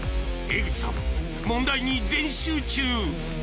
江口さん、問題に全集中。